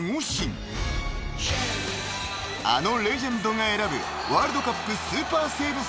［あのレジェンドが選ぶワールドカップスーパーセーブ